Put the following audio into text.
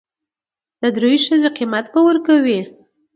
د درېو ښځو قيمت به ور کوي.